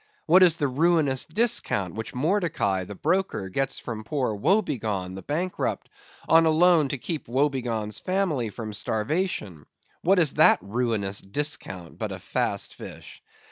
What is the ruinous discount which Mordecai, the broker, gets from poor Woebegone, the bankrupt, on a loan to keep Woebegone's family from starvation; what is that ruinous discount but a Fast Fish?